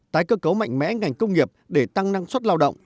tái cơ cấu mạnh mẽ ngành công nghiệp để tăng năng suất lao động